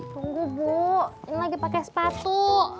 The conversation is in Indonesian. tunggu bu ini lagi pakai sepatu